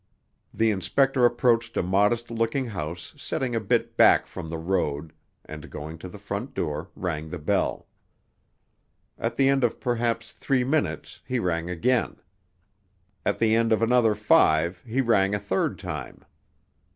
The inspector approached a modest looking house setting a bit back from the road and, going to the front door, rang the bell. At the end of perhaps three minutes he rang again. At the end of another five he rang a third time.